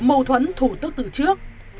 mâu thuẫn thủ tức từ trước